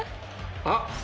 あっ！